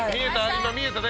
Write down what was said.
今見えたね！